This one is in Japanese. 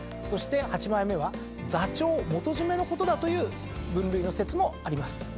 そして八枚目は座長元締のことだという分類の説もあります。